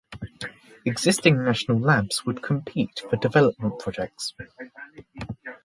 Existing national labs would compete for development projects.